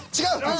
違う！